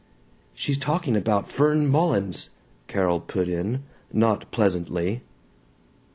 "She's talking about Fern Mullins," Carol put in, not pleasantly.